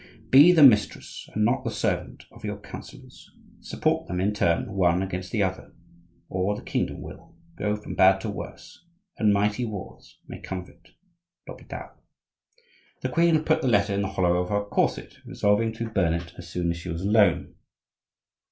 Be the mistress and not the servant of your counsellors; support them, in turn, one against the other, or the kingdom will go from bad to worse, and mighty wars may come of it. L'Hopital. The queen put the letter in the hollow of her corset, resolving to burn it as soon as she was alone.